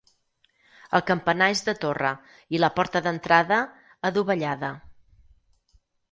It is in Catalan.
El campanar és de torre, i la porta d'entrada, adovellada.